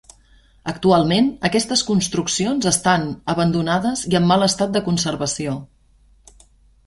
Actualment aquestes construccions estan abandonades i en mal estat de conservació.